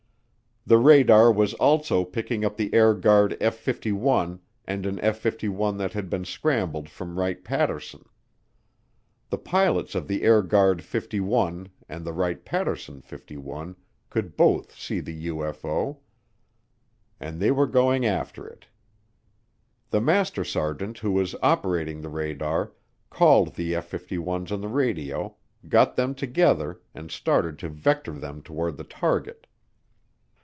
The radar was also picking up the Air Guard F 51 and an F 51 that had been scrambled from Wright Patterson. The pilots of the Air Guard '51 and the Wright Patterson '51 could both see the UFO, and they were going after it. The master sergeant who was operating the radar called the F 51's on the radio, got them together and started to vector them toward the target.